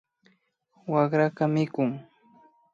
Wakraka mikun